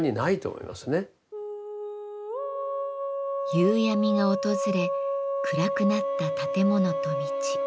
夕闇が訪れ暗くなった建物と道。